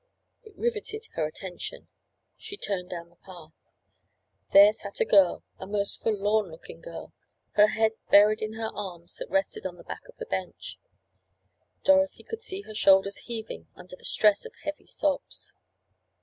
It riveted her attention. She turned down the path. There sat a girl—a most forlorn looking girl—her head buried in her arms that rested on the back of a bench. Dorothy could see her shoulders heaving under the stress of heavy sobs.